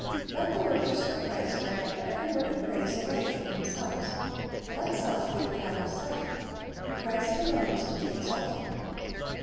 Let the workers for Christ direct every word of praise away from themseh^es. Let self be put out of sight. Christ alone is to be exalted.